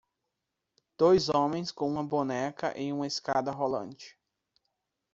Dois homens com uma boneca em uma escada rolante.